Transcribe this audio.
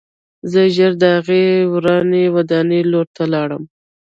زه ژر د هغې ورانې ودانۍ لور ته لاړم